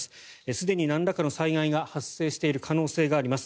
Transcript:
すでになんらかの災害が発生している可能性があります。